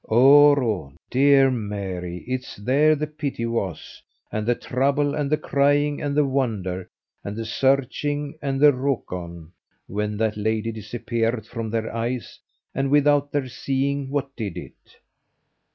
Oro! dear Mary! it's there the pity was, and the trouble, and the crying, and the wonder, and the searching, and the rookawn, when that lady disappeared from their eyes, and without their seeing what did it.